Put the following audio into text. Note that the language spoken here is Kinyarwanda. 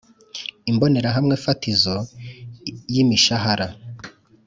imbonerahamwe fatizo yi mishahara: